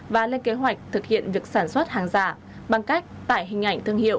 và lên kế hoạch thực hiện việc sản xuất hàng giả bằng cách tải hình ảnh thương hiệu